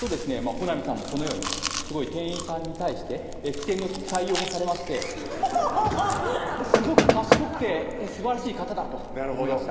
穂南さんもこのようにすごい店員さんに対して機転の利く対応もされましてホホホホッすごく賢くてすばらしい方だと思いました